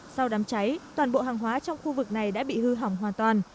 sau đám cháy toàn bộ hàng hóa trong khu vực này đã bị hư hỏng hoàn toàn